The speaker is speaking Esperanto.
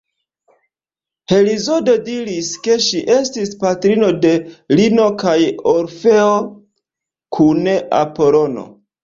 Heziodo diris, ke ŝi estis patrino de Lino kaj Orfeo kun Apolono.